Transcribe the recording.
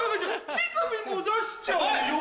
乳首も出しちゃうよ。